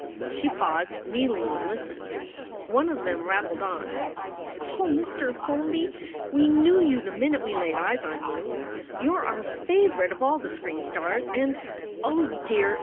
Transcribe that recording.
She paused, kneeling, and listened. One of them rattled on: "Oh, Mr. Holby, we knew you the minute we laid eyes on you. You re our fave rite of all the screen stars, and Oh dear!